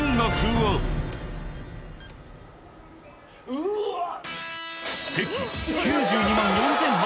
うわっ！